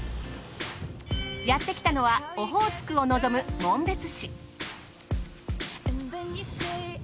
やってきたのはオホーツクを望む紋別市。